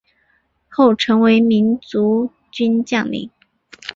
后成为民族军将领。